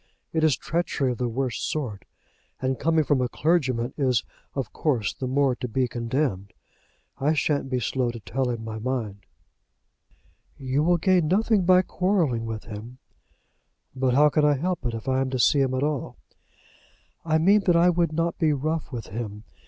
It is treachery of the worst sort, and coming from a clergyman is of course the more to be condemned. I shan't be slow to tell him my mind." "You will gain nothing by quarrelling with him." "But how can I help it, if I am to see him at all?" "I mean that I would not be rough with him.